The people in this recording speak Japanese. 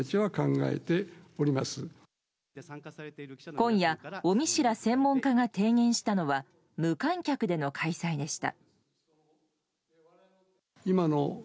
今夜尾身氏ら専門家が提言したのは無観客での開催でした。